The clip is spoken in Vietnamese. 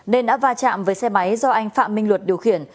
nên đã va chạm với xe máy do anh phạm minh luật điều khiển